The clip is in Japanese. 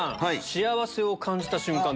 幸せを感じた瞬間